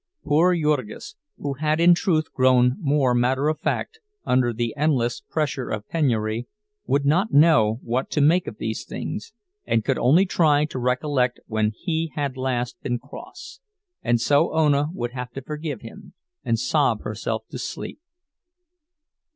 Poor Jurgis, who had in truth grown more matter of fact, under the endless pressure of penury, would not know what to make of these things, and could only try to recollect when he had last been cross; and so Ona would have to forgive him and sob herself to sleep.